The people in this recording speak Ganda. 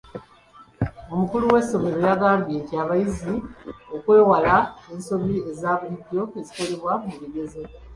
Omukulu w'essomero yagambye abayizi okwewala ensobi eza bulijjo ezikolwa mu bigezo.